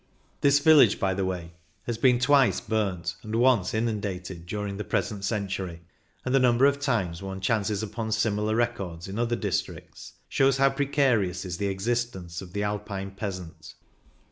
This village, by the way, has been twice burnt and once inundated during the present century, and the number of times one chances upon similar records in other districts shows how precarious is the existence of the Alpine peasant.